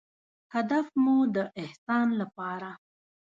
هدف مو د احسان لپاره